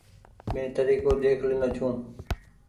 مين تريڪو ۮيک لينو ڇون ۔